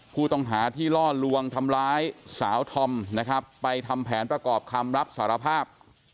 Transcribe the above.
ผู้ต้องหาที่ล่อลวงทำร้ายสาวธอมนะครับไปทำแผนประกอบคำรับสารภาพ